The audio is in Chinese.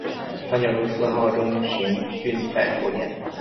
三角洲四号中型运载火箭。